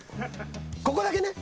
ここだけね。